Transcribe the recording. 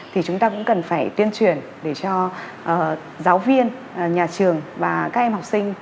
thì chúng ta cũng cần phải tuyên truyền để cho giáo viên nhà trường và các em học sinh